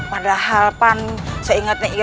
padahal seingat nyai